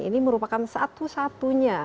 ini merupakan satu satunya